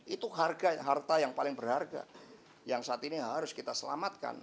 itu harga harta yang paling berharga yang saat ini harus kita selamatkan